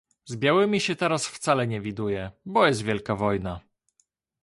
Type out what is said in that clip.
"Z białymi się teraz wcale nie widuję, bo jest wielka wojna."